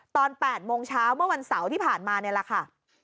ตอน๘โมงเช้าเมื่อวันเสาร์ที่ผ่านมานี่แหละค่ะ